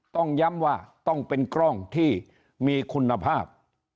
ต้องย้ำว่าต้องเป็นกล้องที่มีคุณภาพ